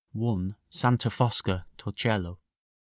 Santa Fosca, Torcello.